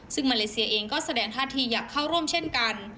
ซึ่งมาเลเซียเองก็แสดงท่าทีอยากเข้าร่วมเช่นกัน